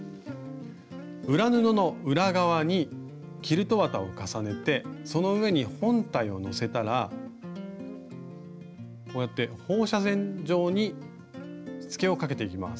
裏布の裏側にキルト綿を重ねてその上に本体をのせたらこうやって放射線状にしつけをかけていきます。